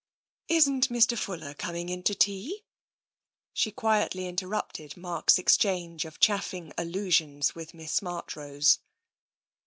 " Isn't Mr. Fuller coming in to tea ?" She quietly interrupted Mark's exchange of chaffing allusions with Miss Marchrose.